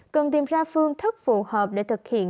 cần tìm ra phương thức phù hợp để thực hiện